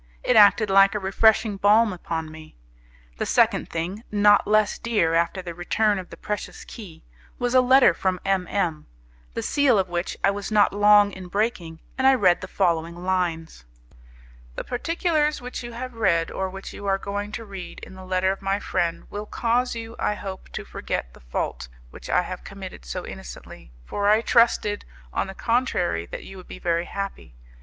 It acted like a refreshing balm upon me. The second thing, not less dear after the return of the precious key, was a letter from M M , the seal of which I was not long in breaking, and I read the following lines: "The particulars which you have read, or which you are going to read, in the letter of my friend, will cause you, I hope, to forget the fault which I have committed so innocently, for I trusted, on the contrary, that you would be very happy.